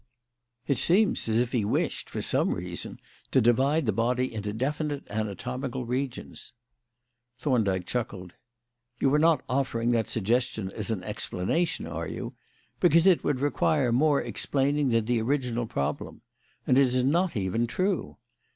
"It seems as if he wished, for some reason, to divide the body into definite anatomical regions." Thorndyke chuckled. "You are not offering that suggestion as an explanation, are you? Because it would require more explaining than the original problem. And it is not even true.